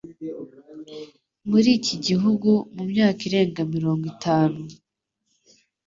muri iki gihugu mu myaka irengamirongo itanu